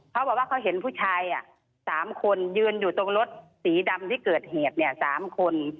เขาบอกว่าเขาเห็นผู้ชาย๓คนยืนอยู่ตรงรถสีดำที่เกิดเหตุ๓คน